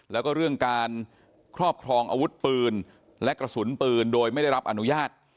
แล้วก็เรื่องการครอบครองอาวุธปืนและกระสุนปืนโดยไม่ได้รับอนุญาต